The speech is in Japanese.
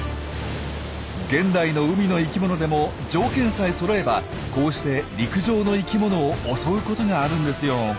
現代の海の生きものでも条件さえそろえばこうして陸上の生きものを襲うことがあるんですよ。